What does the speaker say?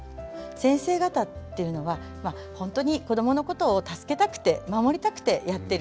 先生方っていうのはほんとに子どものことを助けたくて守りたくてやってる。